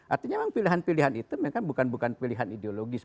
artinya memang pilihan pilihan itu memang bukan pilihan ideologis